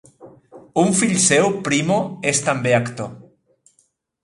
Un fill seu, Primo, és també actor.